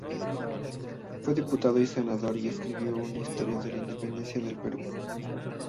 Fue diputado y senador y escribió una historia de la independencia del Perú.